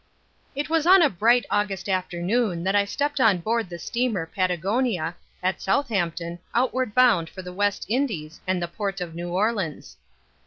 _ It was on a bright August afternoon that I stepped on board the steamer Patagonia at Southampton outward bound for the West Indies and the Port of New Orleans.